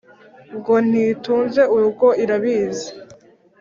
Ngo ntitunze urugo irabizi,